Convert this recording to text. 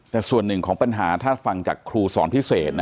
แต่ส่วนหนึ่งของปัญหาถ้าฟังจากครูสอนพิเศษ